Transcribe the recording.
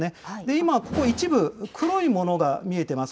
今、ここ一部、黒いものが見えてます。